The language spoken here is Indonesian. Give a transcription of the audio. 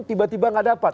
tiba tiba tidak dapat